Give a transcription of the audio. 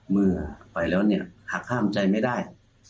เมื่อไปแล้วเนี่ยหากห้ามใจไม่ได้